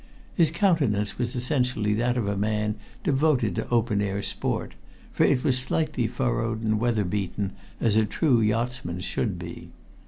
His countenance was essentially that of a man devoted to open air sport, for it was slightly furrowed and weather beaten as a true yachtsman's should be.